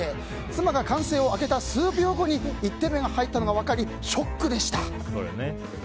妻が歓声を上げた数秒後に１点目が入ったのが分かりショックでした。